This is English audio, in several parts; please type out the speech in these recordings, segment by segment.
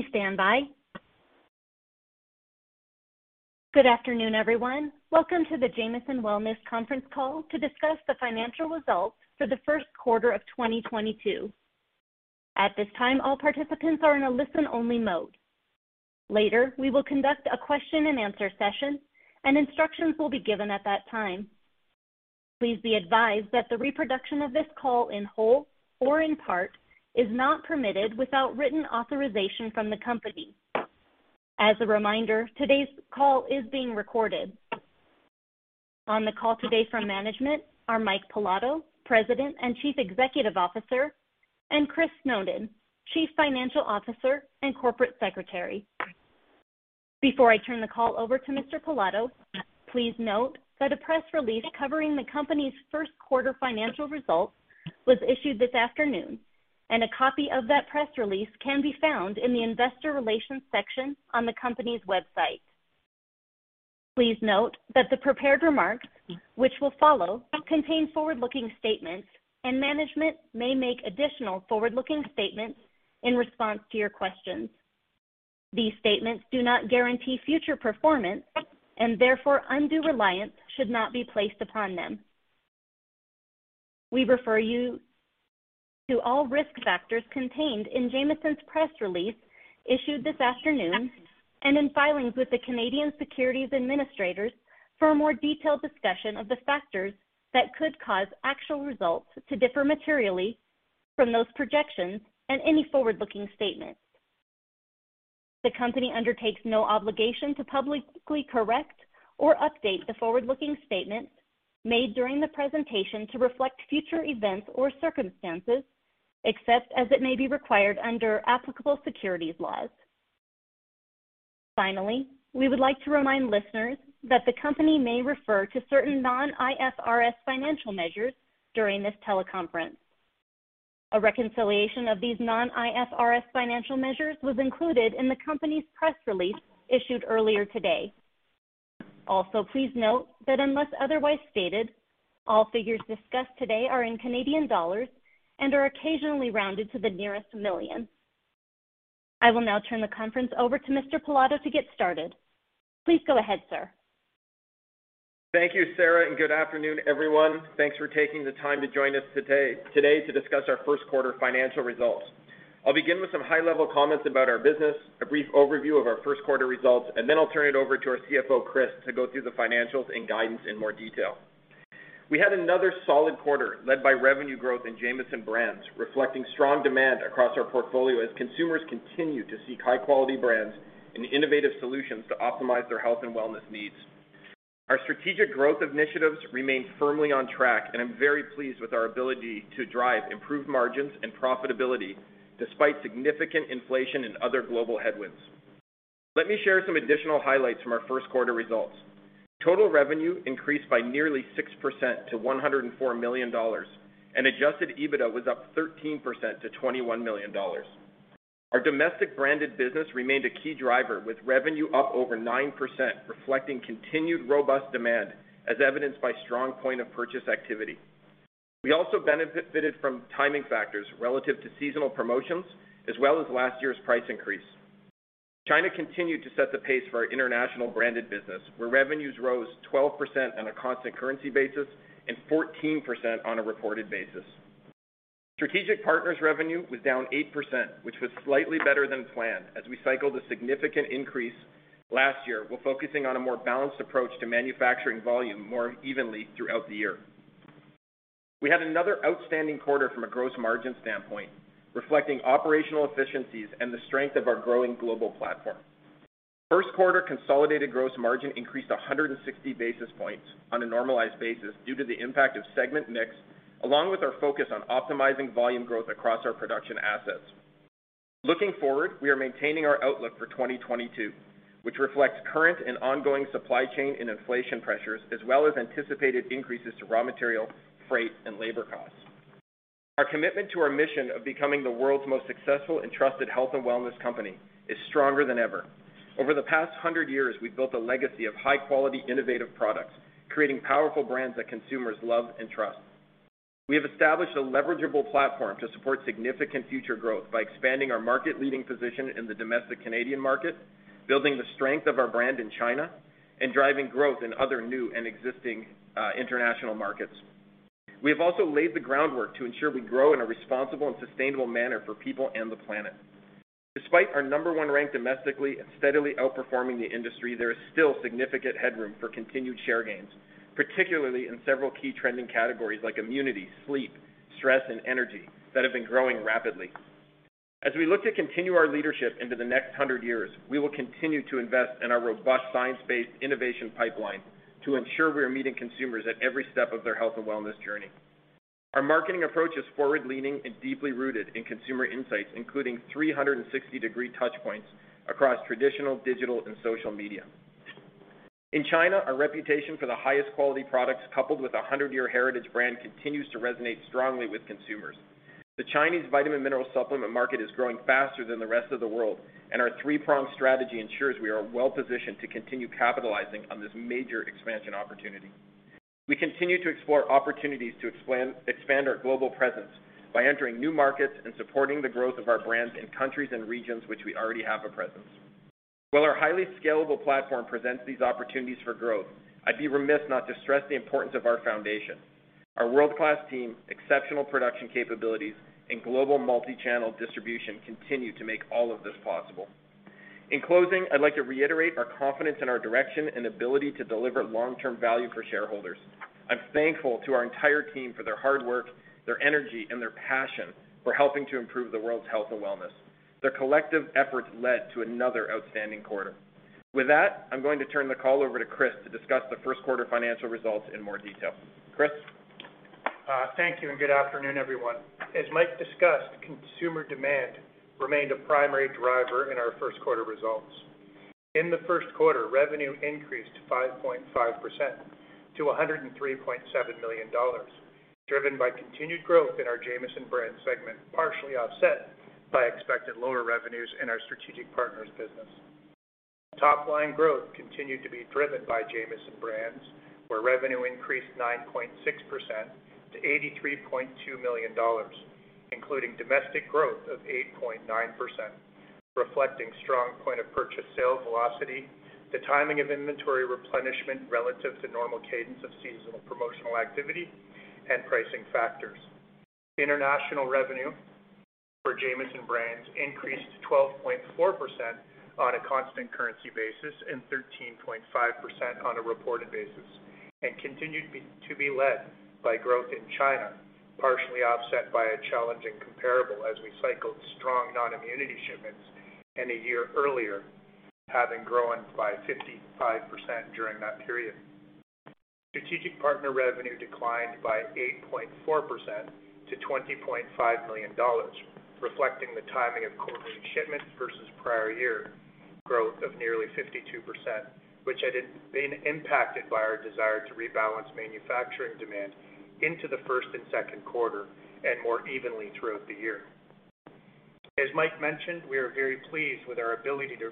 Please stand by. Good afternoon, everyone. Welcome to the Jamieson Wellness conference call to discuss the financial results for the first quarter of 2022. At this time, all participants are in a listen-only mode. Later, we will conduct a question-and-answer session, and instructions will be given at that time. Please be advised that the reproduction of this call in whole or in part is not permitted without written authorization from the company. As a reminder, today's call is being recorded. On the call today from management are Mike Pilato, President and Chief Executive Officer, and Christopher Snowden, Chief Financial Officer and Corporate Secretary. Before I turn the call over to Mr. Pilato, please note that a press release covering the company's first quarter financial results was issued this afternoon, and a copy of that press release can be found in the investor relations section on the company's website. Please note that the prepared remarks, which will follow, contain forward-looking statements, and management may make additional forward-looking statements in response to your questions. These statements do not guarantee future performance, and therefore, undue reliance should not be placed upon them. We refer you to all risk factors contained in Jamieson's press release issued this afternoon and in filings with the Canadian Securities Administrators for a more detailed discussion of the factors that could cause actual results to differ materially from those projections and any forward-looking statement. The company undertakes no obligation to publicly correct or update the forward-looking statements made during the presentation to reflect future events or circumstances, except as it may be required under applicable securities laws. Finally, we would like to remind listeners that the company may refer to certain non-IFRS financial measures during this teleconference. A reconciliation of these non-IFRS financial measures was included in the company's press release issued earlier today. Also, please note that unless otherwise stated, all figures discussed today are in Canadian dollars and are occasionally rounded to the nearest million. I will now turn the conference over to Mr. Pilato to get started. Please go ahead, sir. Thank you, Sarah, and good afternoon, everyone. Thanks for taking the time to join us today to discuss our first quarter financial results. I'll begin with some high-level comments about our business, a brief overview of our first quarter results, and then I'll turn it over to our CFO, Chris, to go through the financials and guidance in more detail. We had another solid quarter led by revenue growth in Jamieson Brands, reflecting strong demand across our portfolio as consumers continue to seek high-quality brands and innovative solutions to optimize their health and wellness needs. Our strategic growth initiatives remain firmly on track, and I'm very pleased with our ability to drive improved margins and profitability despite significant inflation and other global headwinds. Let me share some additional highlights from our first quarter results. Total revenue increased by nearly 6% to 104 million dollars, and adjusted EBITDA was up 13% to 21 million dollars. Our domestic branded business remained a key driver with revenue up over 9%, reflecting continued robust demand as evidenced by strong point of purchase activity. We also benefited from timing factors relative to seasonal promotions as well as last year's price increase. China continued to set the pace for our international branded business, where revenues rose 12% on a constant currency basis and 14% on a reported basis. Strategic partners revenue was down 8%, which was slightly better than planned as we cycled a significant increase last year while focusing on a more balanced approach to manufacturing volume more evenly throughout the year. We had another outstanding quarter from a gross margin standpoint, reflecting operational efficiencies and the strength of our growing global platform. First quarter consolidated gross margin increased 160 basis points on a normalized basis due to the impact of segment mix, along with our focus on optimizing volume growth across our production assets. Looking forward, we are maintaining our outlook for 2022, which reflects current and ongoing supply chain and inflation pressures, as well as anticipated increases to raw material, freight, and labor costs. Our commitment to our mission of becoming the world's most successful and trusted health and wellness company is stronger than ever. Over the past 100 years, we've built a legacy of high-quality, innovative products, creating powerful brands that consumers love and trust. We have established a leverageable platform to support significant future growth by expanding our market-leading position in the domestic Canadian market, building the strength of our brand in China, and driving growth in other new and existing international markets. We have also laid the groundwork to ensure we grow in a responsible and sustainable manner for people and the planet. Despite our number one rank domestically and steadily outperforming the industry, there is still significant headroom for continued share gains, particularly in several key trending categories like immunity, sleep, stress, and energy that have been growing rapidly. As we look to continue our leadership into the next hundred years, we will continue to invest in our robust science-based innovation pipeline to ensure we are meeting consumers at every step of their health and wellness journey. Our marketing approach is forward-leaning and deeply rooted in consumer insights, including 360-degree touch points across traditional digital and social media. In China, our reputation for the highest quality products, coupled with a 100-year heritage brand, continues to resonate strongly with consumers. The Chinese vitamin mineral supplement market is growing faster than the rest of the world, and our three-pronged strategy ensures we are well-positioned to continue capitalizing on this major expansion opportunity. We continue to explore opportunities to expand our global presence by entering new markets and supporting the growth of our brands in countries and regions which we already have a presence. While our highly scalable platform presents these opportunities for growth, I'd be remiss not to stress the importance of our foundation. Our world-class team, exceptional production capabilities, and global multi-channel distribution continue to make all of this possible. In closing, I'd like to reiterate our confidence in our direction and ability to deliver long-term value for shareholders. I'm thankful to our entire team for their hard work, their energy, and their passion for helping to improve the world's health and wellness. Their collective efforts led to another outstanding quarter. With that, I'm going to turn the call over to Chris to discuss the first quarter financial results in more detail. Chris? Thank you, and good afternoon, everyone. As Mike discussed, consumer demand remained a primary driver in our first quarter results. In the first quarter, revenue increased 5.5% to 103.7 million dollars, driven by continued growth in our Jamieson Brands segment, partially offset by expected lower revenues in our strategic partners business. Top line growth continued to be driven by Jamieson Brands, where revenue increased 9.6% to 83.2 million dollars, including domestic growth of 8.9%, reflecting strong point of purchase sales velocity, the timing of inventory replenishment relative to normal cadence of seasonal promotional activity, and pricing factors. International revenue for Jamieson Brands increased 12.4% on a constant currency basis, and 13.5% on a reported basis, and continued to be led by growth in China, partially offset by a challenging comparable as we cycled strong non-immunity shipments in a year earlier, having grown by 55% during that period. Strategic partner revenue declined by 8.4% to 20.5 million dollars, reflecting the timing of quarterly shipments versus prior year growth of nearly 52%, which had been impacted by our desire to rebalance manufacturing demand into the first and second quarter, and more evenly throughout the year. As Mike mentioned, we are very pleased with our ability to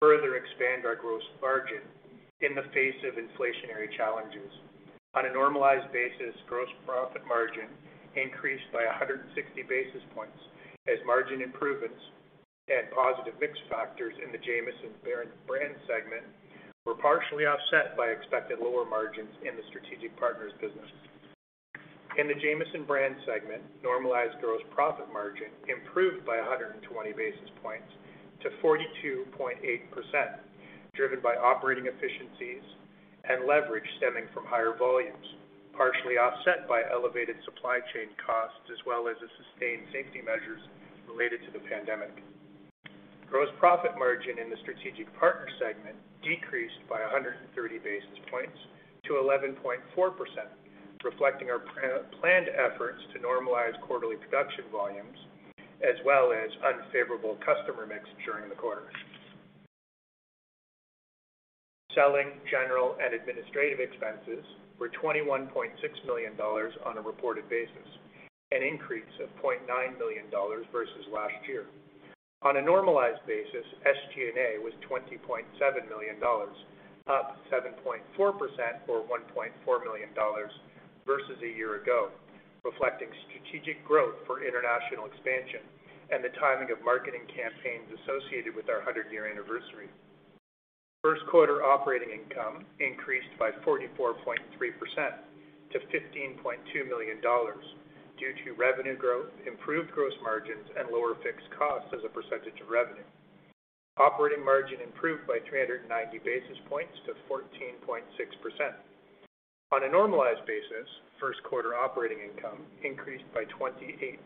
further expand our gross margin in the face of inflationary challenges. On a normalized basis, gross profit margin increased by 160 basis points as margin improvements and positive mix factors in the Jamieson Brands segment were partially offset by expected lower margins in the strategic partners business. In the Jamieson Brands segment, normalized gross profit margin improved by 120 basis points to 42.8%, driven by operating efficiencies and leverage stemming from higher volumes, partially offset by elevated supply chain costs as well as the sustained safety measures related to the pandemic. Gross profit margin in the strategic partner segment decreased by 130 basis points to 11.4%, reflecting our planned efforts to normalize quarterly production volumes as well as unfavorable customer mix during the quarter. Selling, general, and administrative expenses were 21.6 million dollars on a reported basis, an increase of 0.9 million dollars versus last year. On a normalized basis, SG&A was 20.7 million dollars, up 7.4% or 1.4 million dollars versus a year ago, reflecting strategic growth for international expansion and the timing of marketing campaigns associated with our 100-year anniversary. First quarter operating income increased by 44.3% to 15.2 million dollars due to revenue growth, improved gross margins, and lower fixed costs as a percentage of revenue. Operating margin improved by 390 basis points to 14.6%. On a normalized basis, first quarter operating income increased by 28.8%,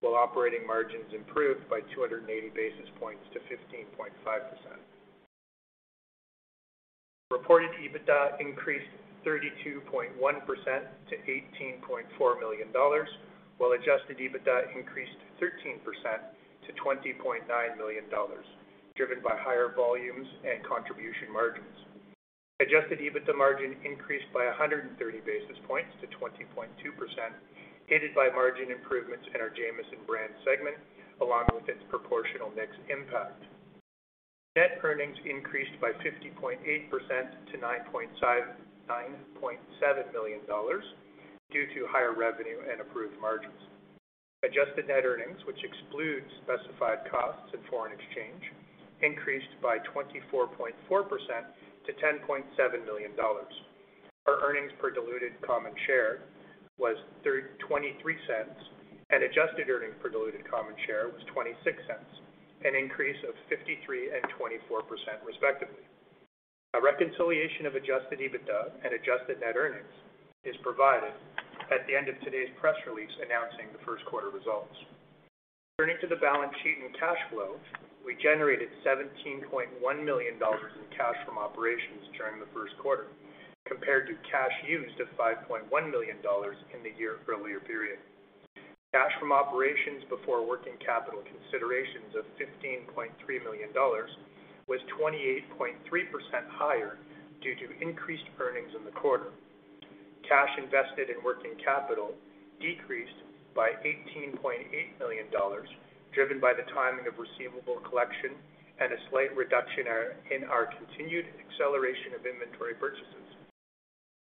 while operating margins improved by 280 basis points to 15.5%. Reported EBITDA increased 32.1% to CAD 18.4 million, while adjusted EBITDA increased 13% to CAD 20.9 million, driven by higher volumes and contribution margins. Adjusted EBITDA margin increased by 130 basis points to 20.2%, aided by margin improvements in our Jamieson Brands segment, along with its proportional mix impact. Net earnings increased by 50.8% to 9.7 million dollars due to higher revenue and improved margins. Adjusted net earnings, which excludes specified costs and foreign exchange, increased by 24.4% to CAD 10.7 million. Our earnings per diluted common share was 0.23, and adjusted earnings per diluted common share was 0.26, an increase of 53% and 24% respectively. A reconciliation of adjusted EBITDA and adjusted net earnings is provided at the end of today's press release announcing the first quarter results. Turning to the balance sheet and cash flow, we generated 17.1 million dollars in cash from operations during the first quarter compared to cash used of 5.1 million dollars in the year earlier period. Cash from operations before working capital considerations of 15.3 million dollars was 28.3% higher due to increased earnings in the quarter. Invested in working capital decreased by 18.8 million dollars, driven by the timing of receivable collection and a slight reduction in our continued acceleration of inventory purchases.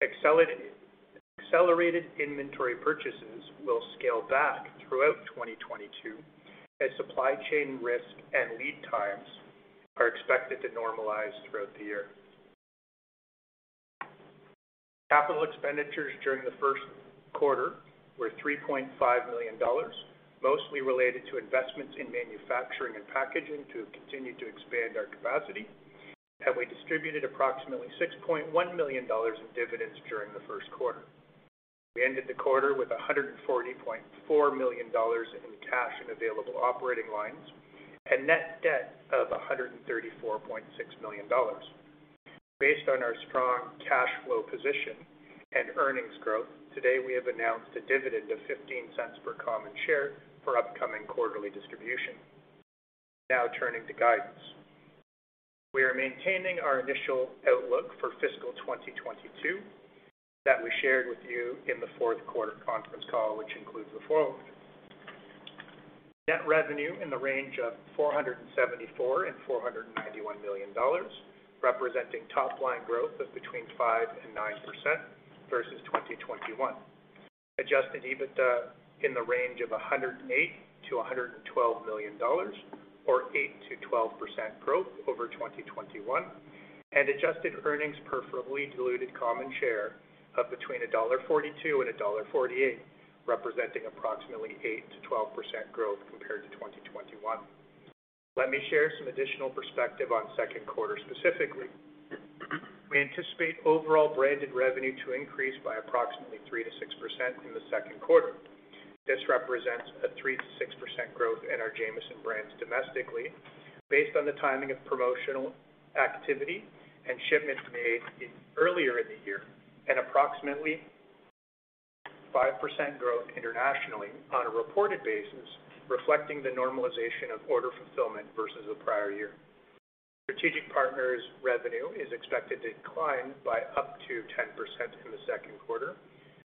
Accelerated inventory purchases will scale back throughout 2022 as supply chain risk and lead times are expected to normalize throughout the year. Capital expenditures during the first quarter were 3.5 million dollars, mostly related to investments in manufacturing and packaging to continue to expand our capacity. We distributed approximately 6.1 million dollars in dividends during the first quarter. We ended the quarter with 140.4 million dollars in cash and available operating lines, and net debt of 134.6 million dollars. Based on our strong cash flow position and earnings growth, today, we have announced a dividend of 0.15 per common share for upcoming quarterly distribution. Now, turning to guidance. We are maintaining our initial outlook for fiscal 2022 that we shared with you in the fourth quarter conference call, which includes the following. Net revenue in the range of 474 million and 491 million dollars, representing top line growth of between 5%-9% versus 2021. Adjusted EBITDA in the range of 108 million-112 million dollars or 8%-12% growth over 2021. Adjusted earnings per fully diluted common share of between dollar 1.42 and dollar 1.48, representing approximately 8%-12% growth compared to 2021. Let me share some additional perspective on second quarter specifically. We anticipate overall branded revenue to increase by approximately 3%-6% in the second quarter. This represents a 3%-6% growth in our Jamieson brands domestically based on the timing of promotional activity and shipments made earlier in the year at approximately 5% growth internationally on a reported basis, reflecting the normalization of order fulfillment versus the prior year. Strategic partners revenue is expected to decline by up to 10% in the second quarter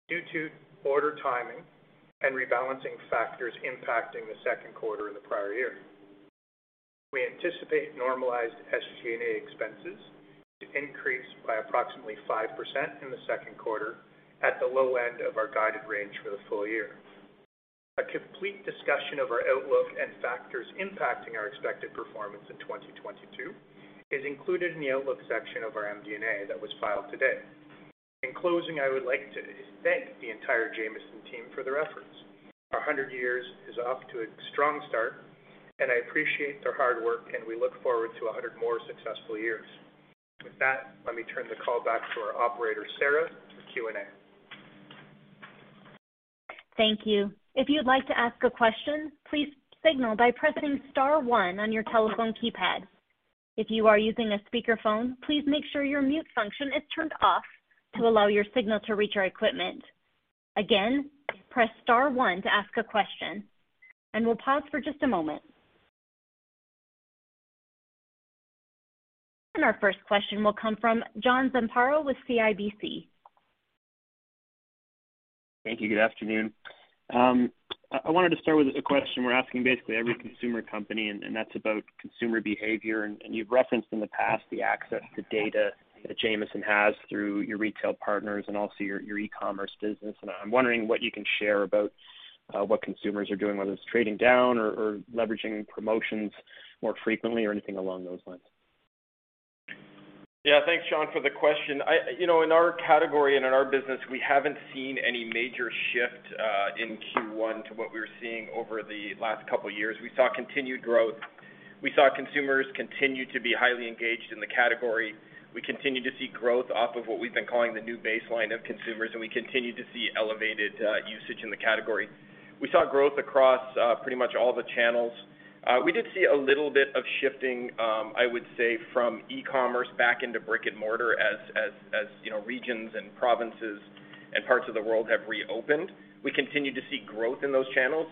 due to order timing and rebalancing factors impacting the second quarter in the prior year. We anticipate normalized SG&A expenses to increase by approximately 5% in the second quarter at the low end of our guided range for the full year. A complete discussion of our outlook and factors impacting our expected performance in 2022 is included in the outlook section of our MD&A that was filed today. In closing, I would like to thank the entire Jamieson team for their efforts. Our 100 years is off to a strong start, and I appreciate their hard work, and we look forward to 100 more successful years. With that, let me turn the call back to our operator, Sarah, for Q&A. Thank you. If you'd like to ask a question, please signal by pressing star one on your telephone keypad. If you are using a speakerphone, please make sure your mute function is turned off to allow your signal to reach our equipment. Again, press star one to ask a question, and we'll pause for just a moment. Our first question will come from John Zamparo with CIBC. Thank you. Good afternoon. I wanted to start with a question we're asking basically every consumer company, and that's about consumer behavior. You've referenced in the past the access to data that Jamieson has through your retail partners and also your e-commerce business. I'm wondering what you can share about what consumers are doing, whether it's trading down or leveraging promotions more frequently or anything along those lines. Yeah. Thanks, John, for the question. You know, in our category and in our business, we haven't seen any major shift in Q1 to what we were seeing over the last couple years. We saw continued growth. We saw consumers continue to be highly engaged in the category. We continue to see growth off of what we've been calling the new baseline of consumers, and we continue to see elevated usage in the category. We saw growth across pretty much all the channels. We did see a little bit of shifting, I would say, from e-commerce back into brick-and-mortar as you know, regions and provinces and parts of the world have reopened. We continue to see growth in those channels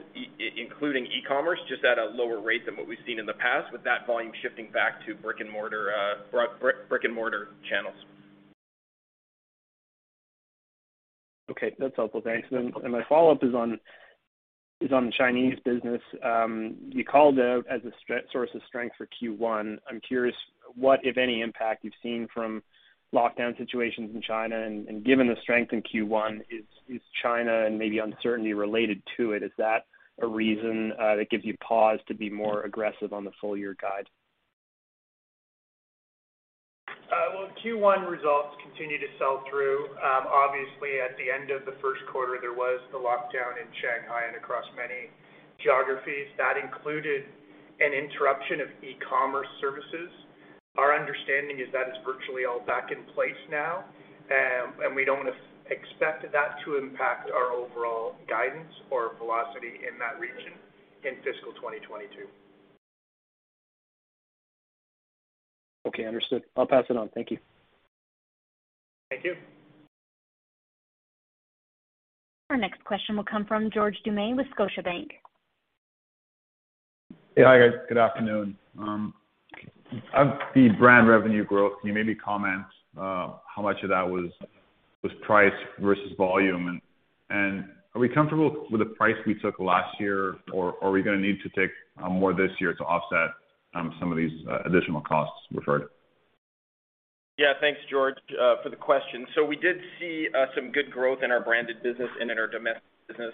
including e-commerce, just at a lower rate than what we've seen in the past, with that volume shifting back to brick-and-mortar channels. Okay. That's helpful. Thanks. My follow-up is on the Chinese business. You called out as a source of strength for Q1. I'm curious what, if any, impact you've seen from lockdown situations in China. Given the strength in Q1, is China and maybe uncertainty related to it a reason that gives you pause to be more aggressive on the full-year guide? Well, Q1 results continue to sell through. Obviously at the end of the first quarter, there was the lockdown in Shanghai and across many geographies. That included an interruption of e-commerce services. Our understanding is that is virtually all back in place now. We don't expect that to impact our overall guidance or velocity in that region in fiscal 2022. Okay, understood. I'll pass it on. Thank you. Thank you. Our next question will come from George Doumet with Scotiabank. Yeah. Hi, guys. Good afternoon. Of the brand revenue growth, can you maybe comment how much of that was price versus volume? Are we comfortable with the price we took last year or are we gonna need to take more this year to offset some of these additional costs incurred? Yeah. Thanks, George, for the question. We did see some good growth in our branded business and in our domestic business.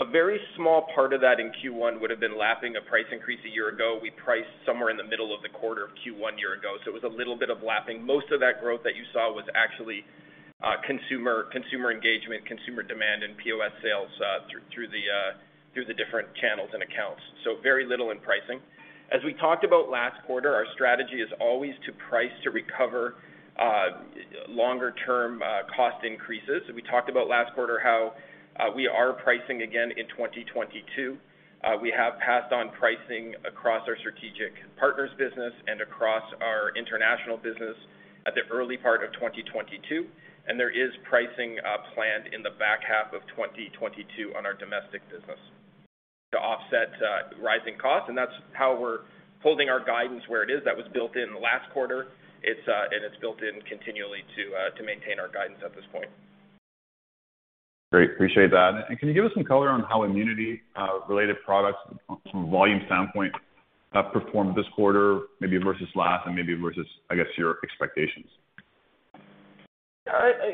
A very small part of that in Q1 would have been lapping a price increase a year ago. We priced somewhere in the middle of the quarter of Q1 year ago, so it was a little bit of lapping. Most of that growth that you saw was actually consumer engagement, consumer demand and POS sales through the different channels and accounts. Very little in pricing. As we talked about last quarter, our strategy is always to price to recover longer-term cost increases. We talked about last quarter how we are pricing again in 2022. We have passed on pricing across our strategic partners business and across our international business at the early part of 2022, and there is pricing planned in the back half of 2022 on our domestic business to offset rising costs, and that's how we're holding our guidance where it is. That was built in last quarter. It's built in continually to maintain our guidance at this point. Great. Appreciate that. Can you give us some color on how immunity related products from a volume standpoint performed this quarter maybe versus last and maybe versus, I guess, your expectations?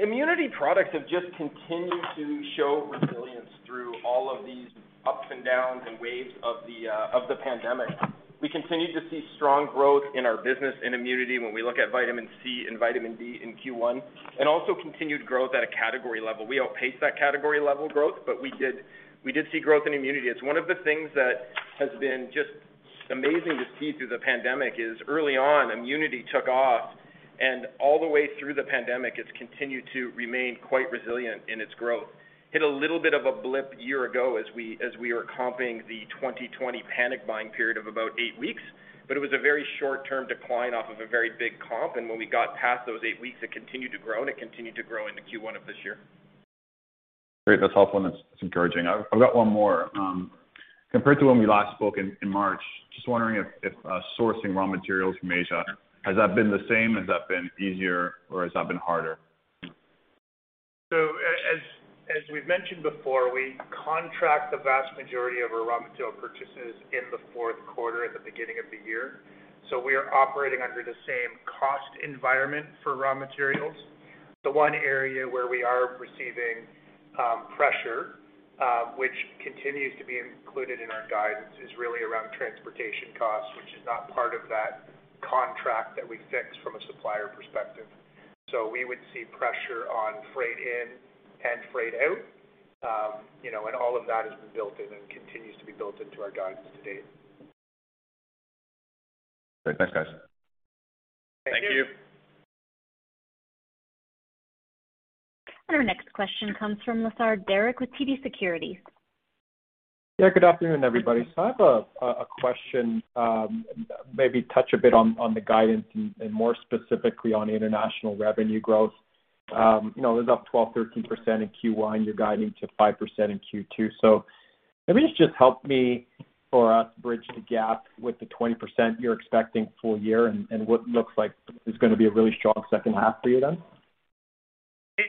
Immunity products have just continued to show resilience through all of these ups and downs and waves of the pandemic. We continued to see strong growth in our business in immunity when we look at Vitamin C and Vitamin D in Q1, and also continued growth at a category level. We outpaced that category level growth, but we did see growth in immunity. It's one of the things that has been just amazing to see through the pandemic is early on, immunity took off, and all the way through the pandemic, it's continued to remain quite resilient in its growth. Hit a little bit of a blip year ago as we were comping the 2020 panic buying period of about eight weeks. It was a very short-term decline off of a very big comp, and when we got past those eight weeks, it continued to grow, and it continued to grow into Q1 of this year. Great. That's helpful and it's encouraging. I've got one more. Compared to when we last spoke in March, just wondering if sourcing raw materials from Asia, has that been the same, has that been easier, or has that been harder? As we've mentioned before, we contract the vast majority of our raw material purchases in the fourth quarter at the beginning of the year. We are operating under the same cost environment for raw materials. The one area where we are receiving pressure, which continues to be included in our guidance, is really around transportation costs, which is not part of that contract that we fix from a supplier perspective. We would see pressure on freight in and freight out, you know, and all of that has been built in and continues to be built into our guidance to date. Great. Thanks, guys. Thank you. Thank you. Our next question comes from Derek Lessard with TD Securities. Yeah, good afternoon, everybody. I have a question, maybe touch a bit on the guidance and more specifically on international revenue growth. You know, it was up 12%-13% in Q1. You're guiding to 5% in Q2. Maybe just help me or us bridge the gap with the 20% you're expecting full year and what looks like is gonna be a really strong second half for you then.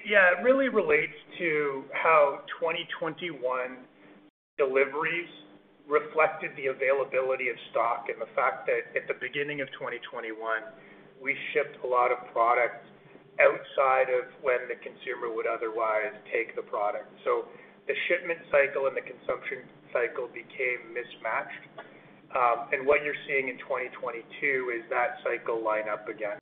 Yeah. It really relates to how 2021 deliveries reflected the availability of stock and the fact that at the beginning of 2021, we shipped a lot of products outside of when the consumer would otherwise take the product. The shipment cycle and the consumption cycle became mismatched. What you're seeing in 2022 is that cycle line up again,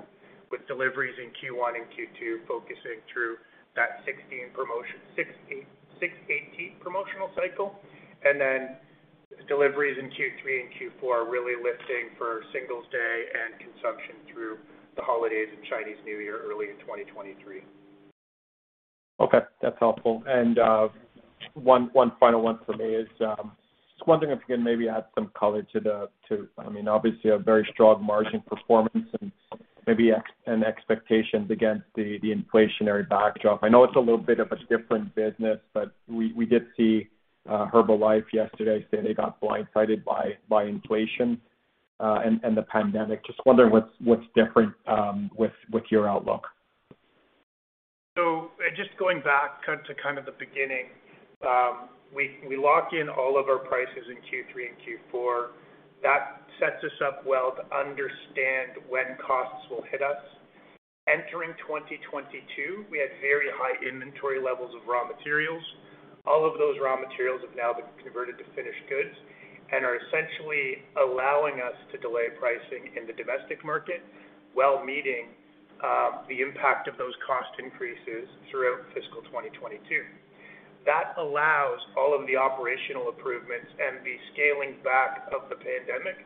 with deliveries in Q1 and Q2 focusing through that 618 promotional cycle. Deliveries in Q3 and Q4 are really lifting for Singles' Day and consumption through the holidays and Chinese New Year early in 2023. Okay, that's helpful. One final one for me is just wondering if you can maybe add some color to the, I mean, obviously a very strong margin performance and maybe an expectation against the inflationary backdrop. I know it's a little bit of a different business, but we did see Herbalife yesterday say they got blindsided by inflation and the pandemic. Just wondering what's different with your outlook. Just going back to the beginning, we lock in all of our prices in Q3 and Q4. That sets us up well to understand when costs will hit us. Entering 2022, we had very high inventory levels of raw materials. All of those raw materials have now been converted to finished goods and are essentially allowing us to delay pricing in the domestic market while meeting the impact of those cost increases throughout fiscal 2022. That allows all of the operational improvements and the scaling back of the pandemic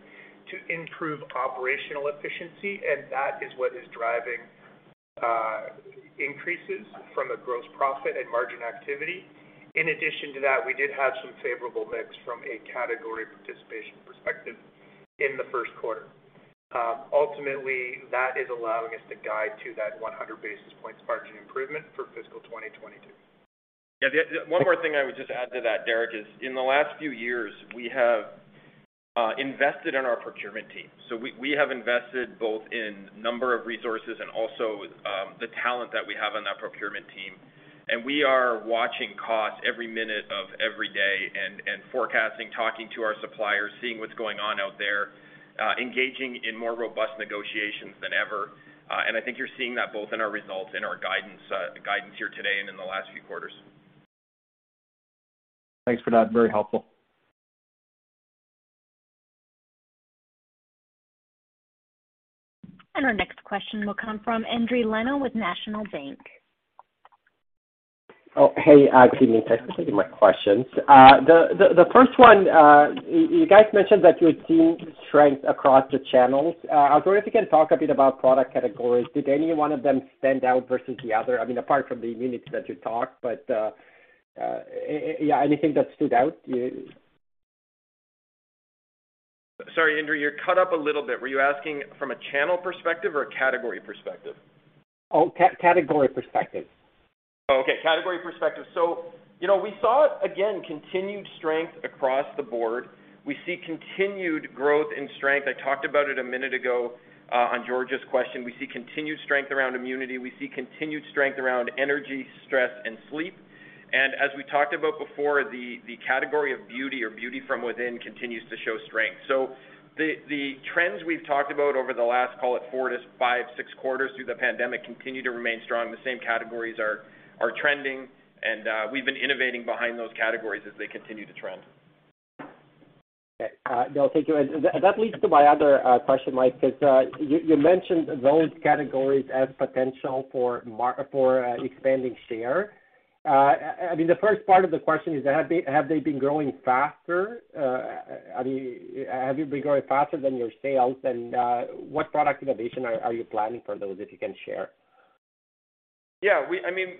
to improve operational efficiency, and that is what is driving increases from a gross profit and margin activity. In addition to that, we did have some favorable mix from a category participation perspective in the first quarter. Ultimately, that is allowing us to guide to that 100 basis points margin improvement for fiscal 2022. Yeah, the one more thing I would just add to that, Derek, is in the last few years, we have invested in our procurement team. We have invested both in number of resources and also the talent that we have on that procurement team. We are watching costs every minute of every day and forecasting, talking to our suppliers, seeing what's going on out there, engaging in more robust negotiations than ever. I think you're seeing that both in our results and our guidance, the guidance here today and in the last few quarters. Thanks for that. Very helpful. Our next question will come from Endri Leno with National Bank. Oh, hey, good evening. Thanks for taking my questions. The first one, you guys mentioned that you're seeing strength across the channels. I was wondering if you can talk a bit about product categories. Did any one of them stand out versus the other? I mean, apart from the immunity that you talked, but yeah, anything that stood out? Sorry, Endri, you cut up a little bit. Were you asking from a channel perspective or a category perspective? Oh, category perspective. Oh, okay. Category perspective. You know, we saw, again, continued strength across the board. We see continued growth and strength. I talked about it a minute ago on George's question. We see continued strength around immunity. We see continued strength around energy, stress, and sleep. As we talked about before, the category of Beauty or Beauty from Within continues to show strength. The trends we've talked about over the last, call it four, five, six quarters through the pandemic, continue to remain strong. The same categories are trending, and we've been innovating behind those categories as they continue to trend. Okay. No, thank you. That leads to my other question, Mike, 'cause you mentioned those categories as potential for expanding share. I mean, the first part of the question is, have they been growing faster? I mean, have they been growing faster than your sales? What product innovation are you planning for those, if you can share? I mean,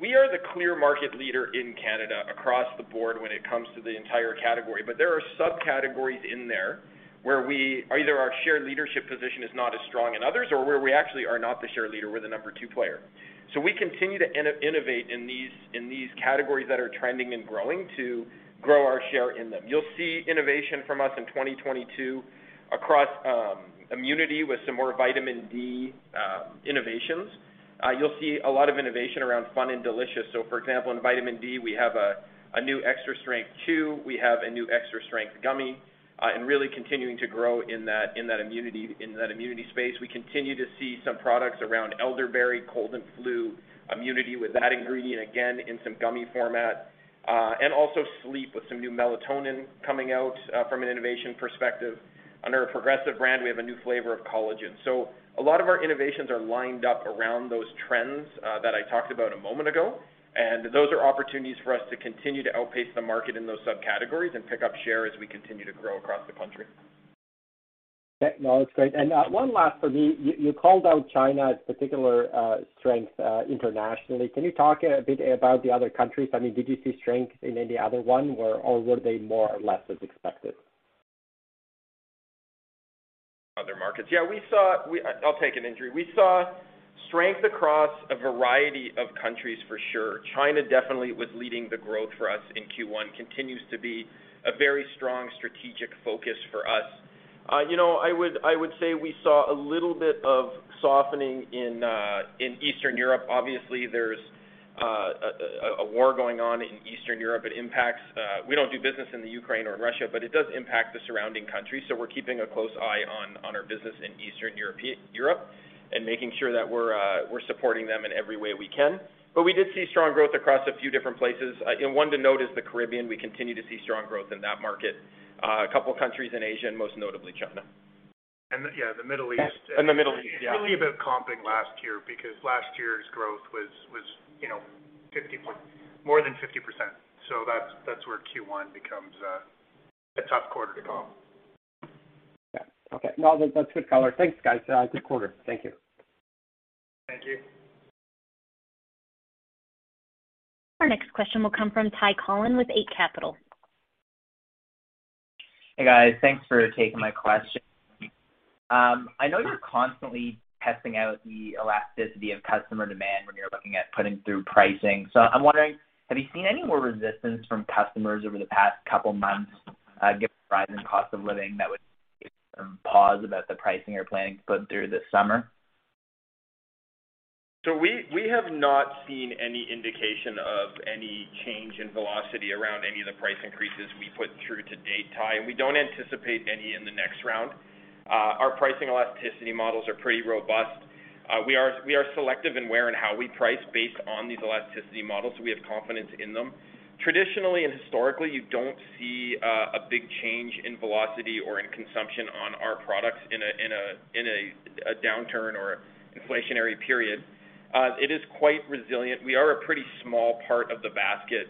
we are the clear market leader in Canada across the board when it comes to the entire category. There are subcategories in there where either our shared leadership position is not as strong in others or where we actually are not the share leader, we're the number two player. We continue to innovate in these categories that are trending and growing to grow our share in them. You'll see innovation from us in 2022 across immunity with some more Vitamin D innovations. You'll see a lot of innovation around fun and delicious. For example, in Vitamin D, we have a new extra strength chew, we have a new extra strength gummy, and really continuing to grow in that immunity space. We continue to see some products around Elderberry, cold and flu immunity with that ingredient, again in some gummy format. Also sleep with some new Melatonin coming out, from an innovation perspective. Under our Progressive brand, we have a new flavor of collagen. A lot of our innovations are lined up around those trends, that I talked about a moment ago, and those are opportunities for us to continue to outpace the market in those subcategories and pick up share as we continue to grow across the country. Yeah. No, that's great. One last for me. You called out China's particular strength internationally. Can you talk a bit about the other countries? I mean, did you see strength in any other one or were they more or less as expected? Other markets. Yeah, I'll take it, Endri. We saw strength across a variety of countries for sure. China definitely was leading the growth for us in Q1, continues to be a very strong strategic focus for us. I would say we saw a little bit of softening in Eastern Europe. Obviously, there's a war going on in Eastern Europe. It impacts. We don't do business in Ukraine or Russia, but it does impact the surrounding countries. We're keeping a close eye on our business in Eastern Europe and making sure that we're supporting them in every way we can. We did see strong growth across a few different places. One to note is the Caribbean. We continue to see strong growth in that market. A couple of countries in Asia, and most notably China. Yeah, the Middle East. The Middle East. Yeah. It's really about comping last year because last year's growth was, you know, more than 50%. That's where Q1 becomes a tough quarter to call. Yeah. Okay. No, that's good color. Thanks, guys. Good quarter. Thank you. Thank you. Our next question will come from Ty Collin with Eight Capital. Hey, guys. Thanks for taking my question. I know you're constantly testing out the elasticity of customer demand when you're looking at putting through pricing. I'm wondering, have you seen any more resistance from customers over the past couple of months, given the rise in cost of living that would give some pause about the pricing you're planning to put through this summer? We have not seen any indication of any change in velocity around any of the price increases we put through to date, Ty, and we don't anticipate any in the next round. Our pricing elasticity models are pretty robust. We are selective in where and how we price based on these elasticity models. We have confidence in them. Traditionally and historically, you don't see a big change in velocity or in consumption on our products in a downturn or inflationary period. It is quite resilient. We are a pretty small part of the basket.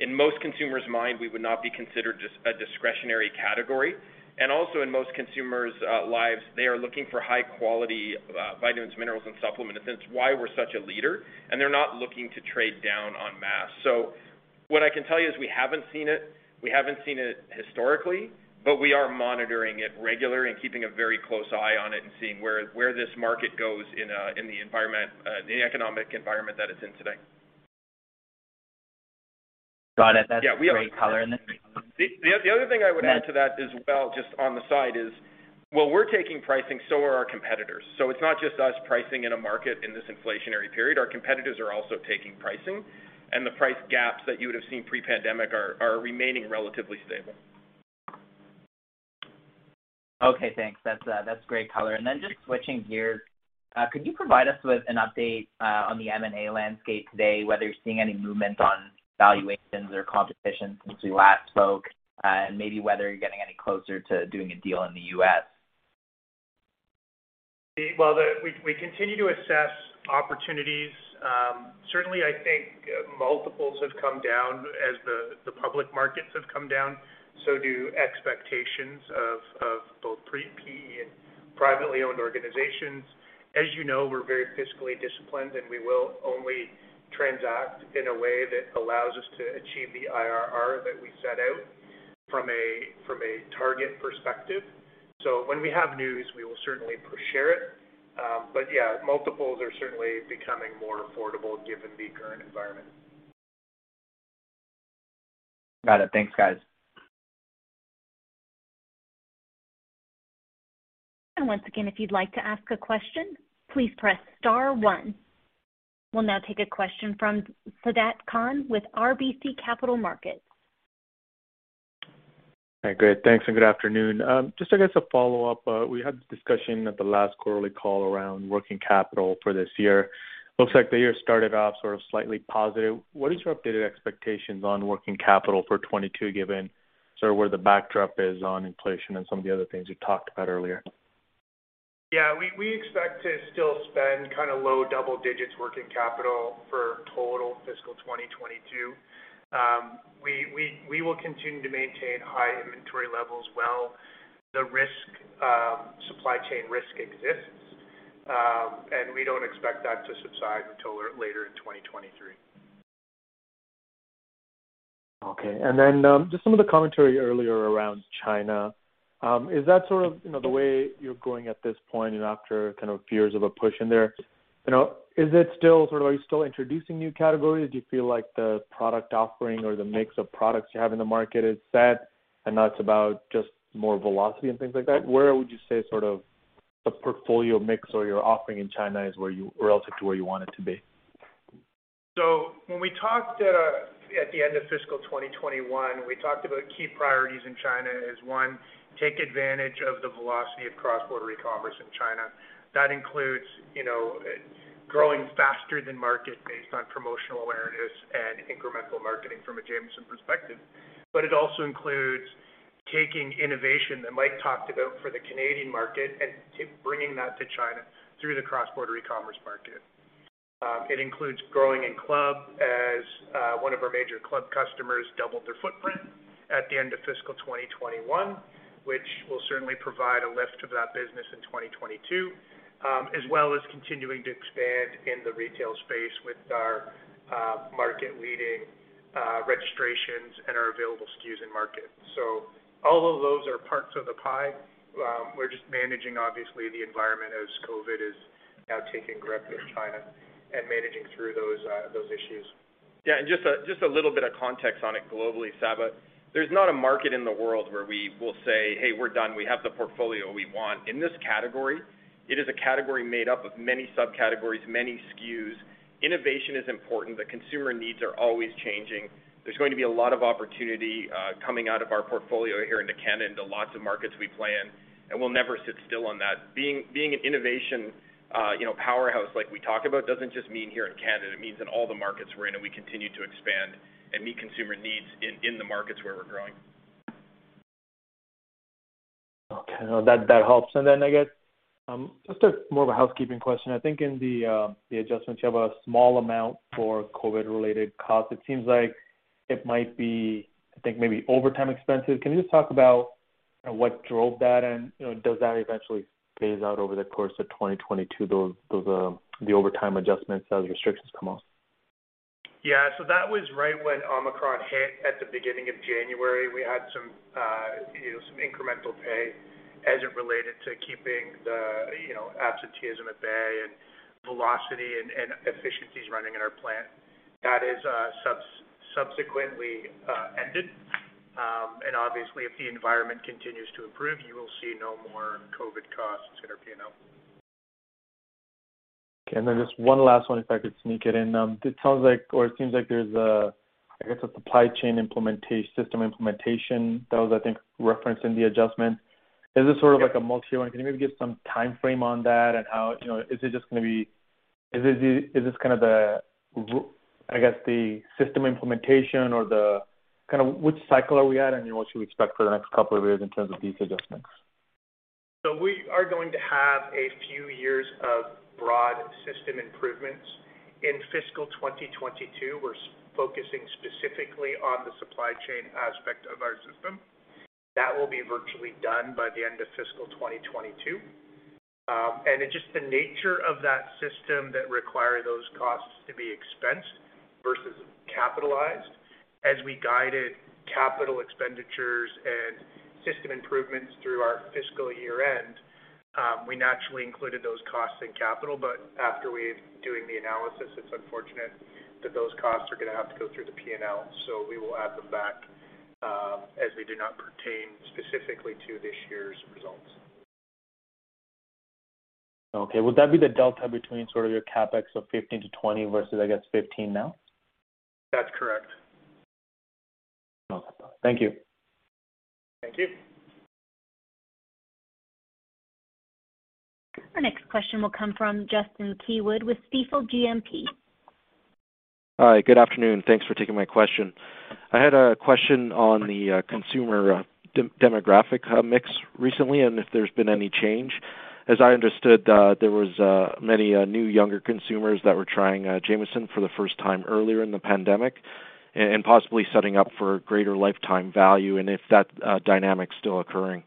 In most consumers' mind, we would not be considered a discretionary category. In most consumers' lives, they are looking for high quality vitamins, minerals, and supplement. It's why we're such a leader, and they're not looking to trade down on mass. What I can tell you is we haven't seen it historically, but we are monitoring it regularly and keeping a very close eye on it and seeing where this market goes in the environment, the economic environment that it's in today. Got it. That's a great color in this. The other thing I would add to that as well, just on the side, is while we're taking pricing, so are our competitors. It's not just us pricing in a market in this inflationary period. Our competitors are also taking pricing. The price gaps that you would have seen pre-pandemic are remaining relatively stable. Okay, thanks. That's great color. Just switching gears, could you provide us with an update on the M&A landscape today, whether you're seeing any movement on valuations or competition since we last spoke, and maybe whether you're getting any closer to doing a deal in the U.S.? We continue to assess opportunities. Certainly, I think multiples have come down. As the public markets have come down, so do expectations of both PE and privately owned organizations. As you know, we're very fiscally disciplined, and we will only transact in a way that allows us to achieve the IRR that we set out from a target perspective. When we have news, we will certainly share it. Yeah, multiples are certainly becoming more affordable given the current environment. Got it. Thanks, guys. Once again, if you'd like to ask a question, please press star one. We'll now take a question from Sabahat Khan with RBC Capital Markets. Hi. Great. Thanks, and good afternoon. Just I guess a follow-up. We had this discussion at the last quarterly call around working capital for this year. Looks like the year started off sort of slightly positive. What is your updated expectations on working capital for 2022, given sort of where the backdrop is on inflation and some of the other things you talked about earlier? Yeah. We expect to still spend kind of low double digits working capital for total fiscal 2022. We will continue to maintain high inventory levels while the supply chain risk exists, and we don't expect that to subside until later in 2023. Okay. Just some of the commentary earlier around China, is that sort of, you know, the way you're going at this point and after kind of years of a push in there? You know, is it still sort of are you still introducing new categories? Do you feel like the product offering or the mix of products you have in the market is set and now it's about just more velocity and things like that? Where would you say sort of the portfolio mix or your offering in China is relative to where you want it to be? When we talked at the end of fiscal 2021, we talked about key priorities in China as one, take advantage of the velocity of cross-border e-commerce in China. That includes, you know, growing faster than market based on promotional awareness and incremental marketing from a Jamieson perspective. It also includes taking innovation that Mike talked about for the Canadian market and bringing that to China through the cross-border e-commerce market. It includes growing in club as one of our major club customers doubled their footprint at the end of fiscal 2021, which will certainly provide a lift to that business in 2022, as well as continuing to expand in the retail space with our market-leading registrations and our available SKUs in market. All of those are parts of the pie. We're just managing obviously the environment as COVID is now taking grip in China and managing through those issues. Yeah. Just a little bit of context on it globally, Sabahat. There's not a market in the world where we will say, "Hey, we're done. We have the portfolio we want." In this category, it is a category made up of many subcategories, many SKUs. Innovation is important. The consumer needs are always changing. There's going to be a lot of opportunity coming out of our portfolio here into Canada into lots of markets we play in, and we'll never sit still on that. Being an innovation, you know, powerhouse like we talk about doesn't just mean here in Canada. It means in all the markets we're in, and we continue to expand and meet consumer needs in the markets where we're growing. Okay. No, that helps. Then I guess just a more of a housekeeping question. I think in the adjustments, you have a small amount for COVID-related costs. It seems like it might be, I think, maybe overtime expenses. Can you just talk about what drove that and, you know, does that eventually phase out over the course of 2022, those the overtime adjustments as restrictions come off? That was right when Omicron hit at the beginning of January. We had some, you know, some incremental pay as it related to keeping the, you know, absenteeism at bay and velocity and efficiencies running in our plant. That subsequently ended. Obviously, if the environment continues to improve, you will see no more COVID costs in our P&L. Okay. Just one last one, if I could sneak it in. It sounds like or it seems like there's a, I guess, a supply chain system implementation that was, I think, referenced in the adjustment. Is this sort of like a multi-year one? Can you maybe give some timeframe on that and how you know, is it just gonna be. Is it, is this kind of the, I guess, the system implementation or the kind of which cycle are we at, and what should we expect for the next couple of years in terms of these adjustments? We are going to have a few years of broad system improvements. In fiscal 2022, we're focusing specifically on the supply chain aspect of our system. That will be virtually done by the end of fiscal 2022. It's just the nature of that system that requires those costs to be expensed versus capitalized. As we guided capital expenditures and system improvements through our fiscal year end, we naturally included those costs in capital. Doing the analysis, it's unfortunate that those costs are gonna have to go through the P&L. We will add them back, as they do not pertain specifically to this year's results. Okay. Would that be the delta between sort of your CapEx of 15-20 versus, I guess, 15 now? That's correct. Okay. Thank you. Thank you. Our next question will come from Justin Keywood with Stifel GMP. Hi, good afternoon. Thanks for taking my question. I had a question on the consumer demographic mix recently, and if there's been any change. As I understood, there was many new younger consumers that were trying Jamieson for the first time earlier in the pandemic and possibly setting up for greater lifetime value, and if that dynamic is still occurring.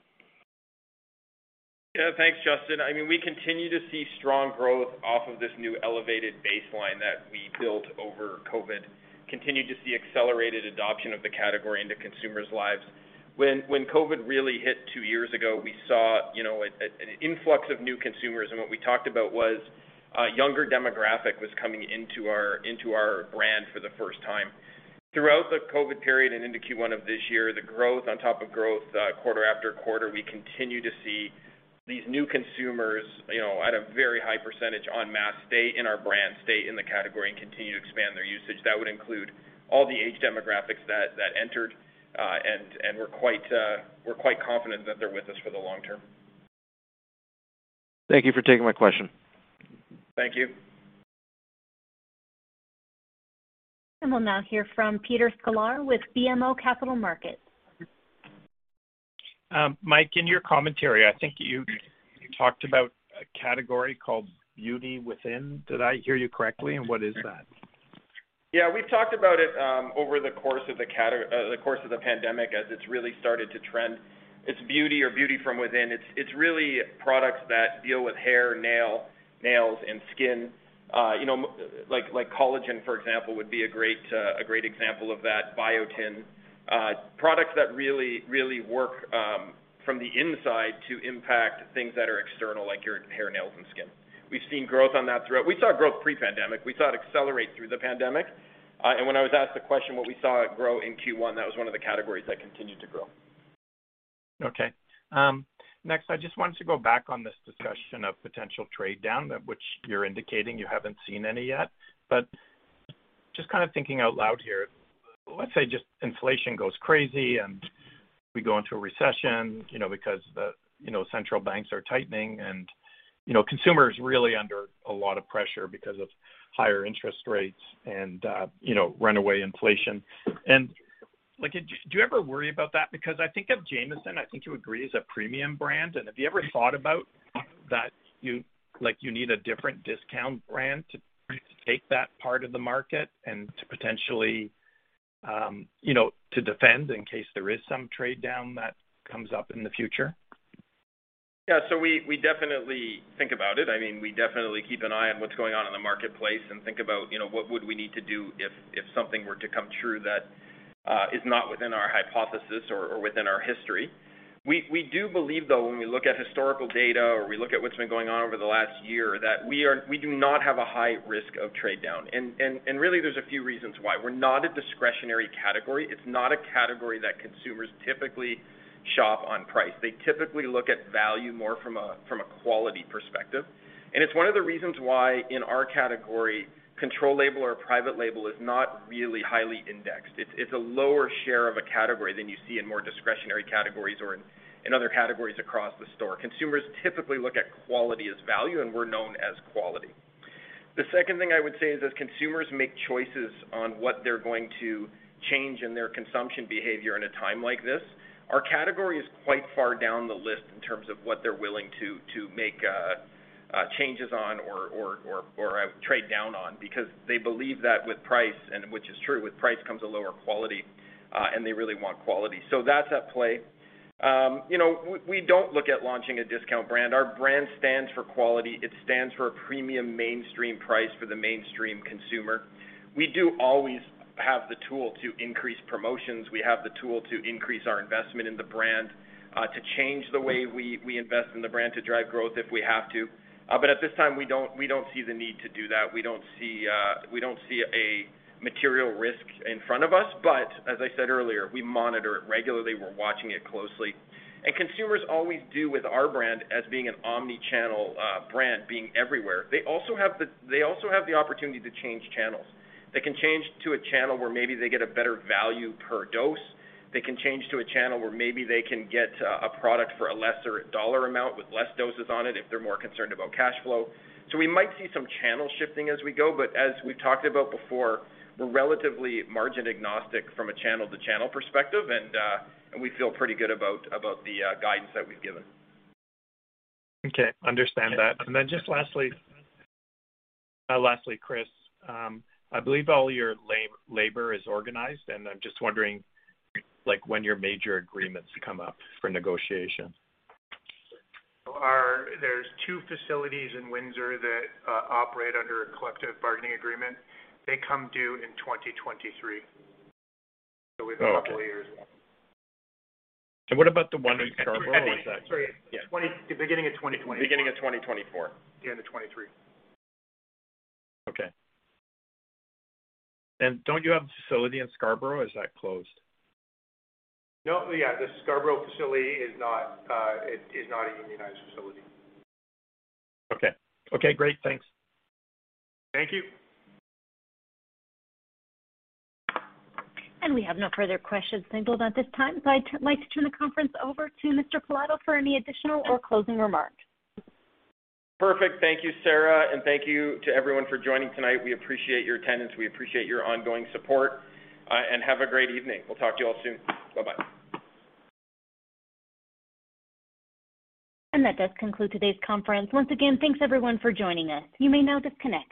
Yeah, thanks, Justin. I mean, we continue to see strong growth off of this new elevated baseline that we built over COVID, continue to see accelerated adoption of the category into consumers' lives. When COVID really hit two years ago, we saw, you know, an influx of new consumers, and what we talked about was a younger demographic was coming into our brand for the first time. Throughout the COVID period and into Q1 of this year, the growth on top of growth, quarter after quarter, we continue to see these new consumers, you know, at a very high percentage en masse stay in our brand, stay in the category and continue to expand their usage. That would include all the age demographics that entered, and we're quite confident that they're with us for the long term. Thank you for taking my question. Thank you. We'll now hear from Peter Sklar with BMO Capital Markets. Mike, in your commentary, I think you talked about a category called Beauty from Within. Did I hear you correctly, and what is that? Yeah. We've talked about it over the course of the pandemic, as it's really started to trend. It's Beauty from Within. It's really products that deal with hair, nails and skin. You know, like collagen, for example, would be a great example of that. Biotin. Products that really work from the inside to impact things that are external, like your hair, nails and skin. We've seen growth on that throughout. We saw growth pre-pandemic. We saw it accelerate through the pandemic. When I was asked the question what we saw grow in Q1, that was one of the categories that continued to grow. Okay. Next, I just wanted to go back on this discussion of potential trade down, that which you're indicating you haven't seen any yet. Just kind of thinking out loud here, let's say just inflation goes crazy, and we go into a recession, you know, because the, you know, central banks are tightening and, you know, consumers really under a lot of pressure because of higher interest rates and, you know, runaway inflation. Like, do you ever worry about that? Because I think of Jamieson, I think you agree, as a premium brand. Have you ever thought about that you like you need a different discount brand to take that part of the market and to potentially, you know, to defend in case there is some trade down that comes up in the future? Yeah. We definitely think about it. I mean, we definitely keep an eye on what's going on in the marketplace and think about, you know, what would we need to do if something were to come true that is not within our hypothesis or within our history. We do believe, though, when we look at historical data or we look at what's been going on over the last year, that we do not have a high risk of trade down. Really, there's a few reasons why. We're not a discretionary category. It's not a category that consumers typically shop on price. They typically look at value more from a quality perspective. It's one of the reasons why in our category, control label or private label is not really highly indexed. It's a lower share of a category than you see in more discretionary categories or in other categories across the store. Consumers typically look at quality as value, and we're known as quality. The second thing I would say is, as consumers make choices on what they're going to change in their consumption behavior in a time like this, our category is quite far down the list in terms of what they're willing to make changes on or trade down on because they believe that with price, and which is true, with price comes a lower quality, and they really want quality. That's at play. We don't look at launching a discount brand. Our brand stands for quality. It stands for a premium mainstream price for the mainstream consumer. We do always have the tool to increase promotions. We have the tool to increase our investment in the brand, to change the way we invest in the brand to drive growth if we have to. At this time, we don't see the need to do that. We don't see a material risk in front of us. As I said earlier, we monitor it regularly. We're watching it closely. Consumers always do with our brand as being an omni-channel brand, being everywhere. They also have the opportunity to change channels. They can change to a channel where maybe they get a better value per dose. They can change to a channel where maybe they can get a product for a lesser dollar amount with less doses on it if they're more concerned about cash flow. We might see some channel shifting as we go. As we've talked about before, we're relatively margin agnostic from a channel-to-channel perspective, and we feel pretty good about the guidance that we've given. Okay. Understand that. Just lastly, Chris, I believe all your labor is organized, and I'm just wondering, like, when your major agreements come up for negotiation. There's two facilities in Windsor that operate under a collective bargaining agreement. They come due in 2023. Oh, okay. Within a couple of years, yeah. What about the one in Scarborough? Is that? Sorry. Yeah. Beginning of 2024. The end of 2023. Okay. Don't you have a facility in Scarborough? Is that closed? No. Yeah. The Scarborough facility is not, it is not a unionized facility. Okay. Okay, great. Thanks. Thank you. We have no further questions cued at this time. I'd like to turn the conference over to Mr. Pilato for any additional or closing remarks. Perfect. Thank you, Sarah. Thank you to everyone for joining tonight. We appreciate your attendance. We appreciate your ongoing support. Have a great evening. We'll talk to you all soon. Bye-bye. That does conclude today's conference. Once again, thanks everyone for joining us. You may now disconnect.